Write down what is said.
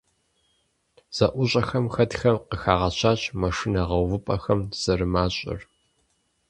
ЗэӀущӀэм хэтхэм къыхагъэщащ машинэ гъэувыпӀэхэр зэрымащӀэр.